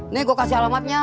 nih gue kasih alamatnya